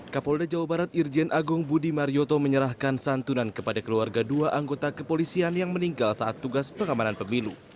kapolda jawa barat irjen agung budi marioto menyerahkan santunan kepada keluarga dua anggota kepolisian yang meninggal saat tugas pengamanan pemilu